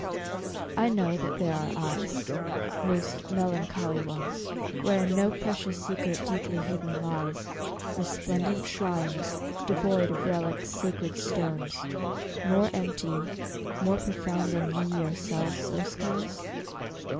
I know that there are eyes, most melancholy ones, Wherein no precious secret deeply hidden lies, Resplendent shrines, devoid of relics, sacred stones, More empty, more profound than ye yourselves, O skies?